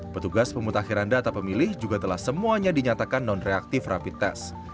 petugas pemutakhiran data pemilih juga telah semuanya dinyatakan non reaktif rapid test